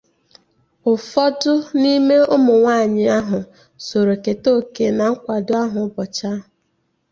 ụfọdụ n'ime ụmụnwaanyị ahụ soro keta òkè na nkwàdo ahụ ụbọchị ahụ